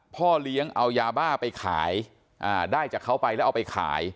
พ่อเลี้ยงเอายาบ้าไปขายได้จากเขาไปแล้วเอาไปขาย